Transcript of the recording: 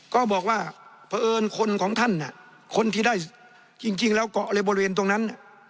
ก็บอกว่าเผอิญคนของท่านคนที่ได้การไปบริเวณที่นั้น